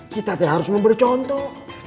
kita harus memberi contoh